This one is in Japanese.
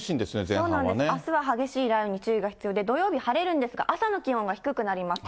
そうなんです、あすは激しい雷雨に注意が必要で、土曜日晴れるんですが、朝の気温は低くなります。